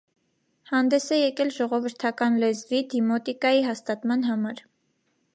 Հանդես է եկել ժողովրդական լեզվի՝ դիմոտիկայի, հաստատման համար։